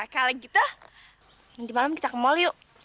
kalau gitu nanti malam kita ke mal yuk